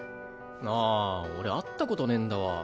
ああ俺会ったことねぇんだわ。